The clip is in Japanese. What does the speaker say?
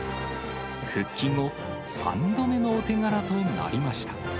復帰後、３度目のお手柄となりました。